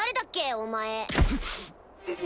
お前。